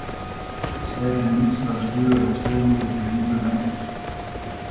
sagde den mindste og styrede af sted ned i det dybe vand.